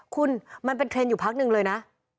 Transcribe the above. คุณมันเป็นเทรนด์อยู่พักหนึ่งเลยนะ